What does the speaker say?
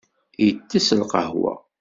Itess lqahwa.